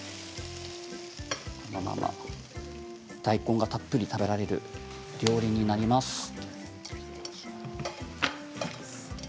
大根がたっぷり食べられる料理になります。